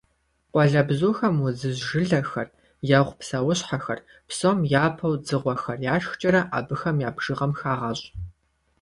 Къуалэбзухэм удзыжь жылэхэр, егъу псэущхьэхэр, псом япэу дзыгъуэхэр яшхкӀэрэ, абыхэм я бжыгъэм хагъэщӀ.